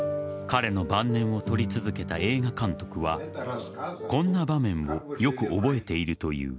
彼の晩年を撮り続けた麗華監督はこんな場面をよく覚えているという。